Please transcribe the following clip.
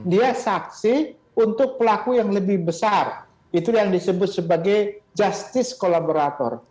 dia saksi untuk pelaku yang lebih besar itu yang disebut sebagai justice collaborator